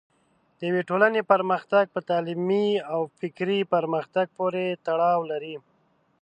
د یوې ټولنې پرمختګ په تعلیمي او فکري پرمختګ پورې تړاو لري.